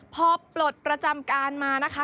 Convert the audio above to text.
พอปลดประจำการมานะคะ